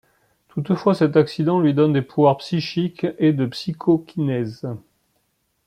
Toutefois, cet accident lui donne des pouvoirs psychique et de psychokinèse.